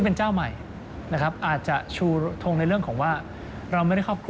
ในเรื่องของราคา